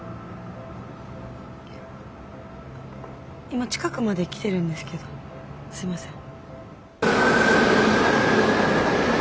今近くまで来てるんですけどすいません。